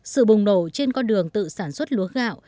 sự bùng nổ trên con đường tự sản xuất lúa gạo